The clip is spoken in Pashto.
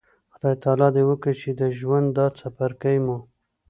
خدای تعالی د وکړي چې د ژوند دا څپرکی مو